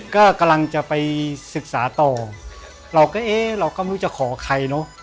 ก็กำลังจะไปศึกษาต่อเราก็เอ๊ะเราก็ไม่รู้จะขอใครเนอะ